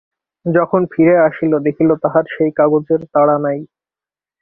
যখন ফিরিয়া আসিল, দেখিল, তাহার সেই কাগজের তাড়া নাই।